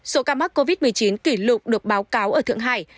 số ca mắc covid một mươi chín kỷ lục được báo cáo ở thượng hải